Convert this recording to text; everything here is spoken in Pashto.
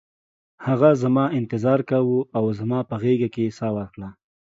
هغه زما انتظار کاوه او زما په غیږ کې یې ساه ورکړه